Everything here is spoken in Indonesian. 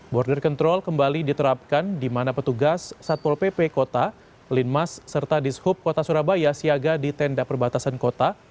border control kembali diterapkan di mana petugas satpol pp kota linmas serta dishub kota surabaya siaga di tenda perbatasan kota